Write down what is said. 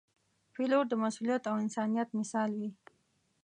پیلوټ د مسؤلیت او انسانیت مثال وي.